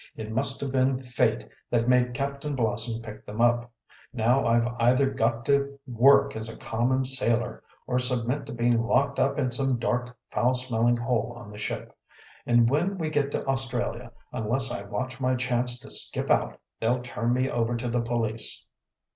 It must have been Fate that made Captain Blossom pick them up. Now I've either got to work as a common sailor or submit to being locked up in some dark, foul smelling hole on the ship. And when we get to Australia, unless I watch my chance to skip out, they'll turn me over to the police."